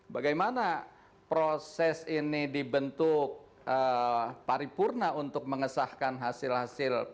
bagaimana proses ini dibentuk paripurna untuk mengesahkan hasil hasil